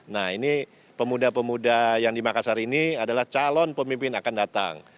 nah ini pemuda pemuda yang di makassar ini adalah calon pemimpin akan datang